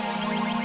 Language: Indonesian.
teteh boleh pergi